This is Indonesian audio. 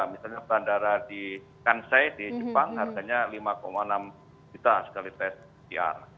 misalnya bandara di kansai di jepang harganya lima enam juta sekali tes pcr